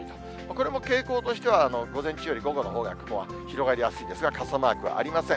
これも傾向としては午前中より午後のほうが雲は広がりやすいですが、傘マークはありません。